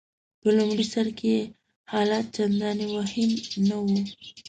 په لمړي سر کي يې حالت چنداني وخیم نه وو.